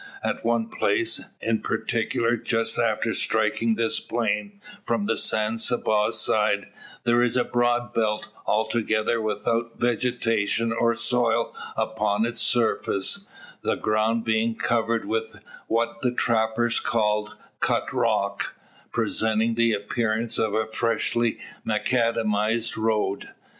At one place in particular, just after striking this plain from the San Saba side, there is a broad belt, altogether without vegetation or soil upon its surface, the ground being covered with what the trappers call "cut rock," presenting the appearance of a freshly macadamised road.